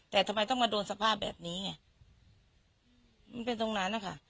แต่ทำไมต้องมาโดนสภาพแบบนี้ไงมันเป็นตรงนั้นนะคะ